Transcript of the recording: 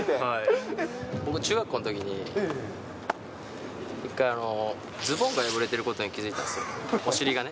僕、中学校のときに、一回、ズボンが破れてることに気付いたんですよ、お尻がね。